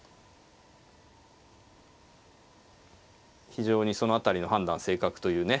非常にその辺りの判断正確というね。